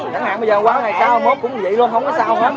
chẳng hạn bây giờ quán ngày sau hôm hôm cũng vậy luôn không có sao hết